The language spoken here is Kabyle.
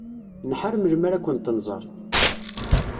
Nḥar melmi ara kent-nẓer.